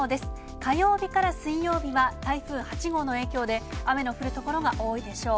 火曜日から水曜日は、台風８号の影響で、雨の降る所が多いでしょう。